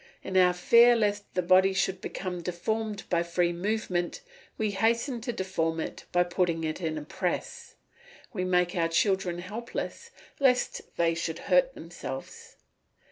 In our fear lest the body should become deformed by free movement, we hasten to deform it by putting it in a press. We make our children helpless lest they should hurt themselves.